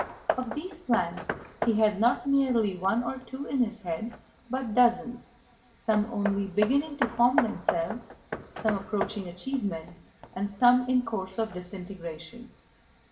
Of these plans he had not merely one or two in his head but dozens, some only beginning to form themselves, some approaching achievement, and some in course of disintegration.